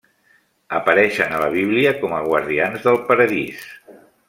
Apareixen a la Bíblia com a guardians del Paradís.